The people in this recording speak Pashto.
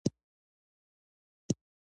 جوار څنګه ایښودل کیږي؟